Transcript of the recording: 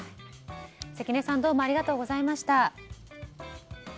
関根さんどうもありがとうございました。